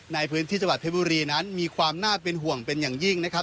ในพื้นที่จังหวัดเพชรบุรีนั้นมีความน่าเป็นห่วงเป็นอย่างยิ่งนะครับ